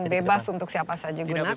bebas untuk siapa saja gunakan